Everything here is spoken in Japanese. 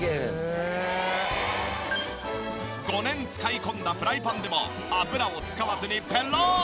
５年使い込んだフライパンでも油を使わずにペロン！